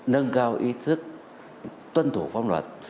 nâng cao ý thức tuân thủ pháp luật